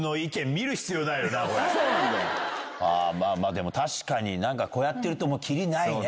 でも確かにこうやってるとキリないね。